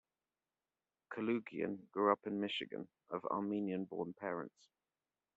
Kaloogian grew up in Michigan, of Armenian-born parents.